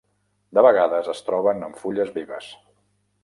De vegades es troben en fulles vives.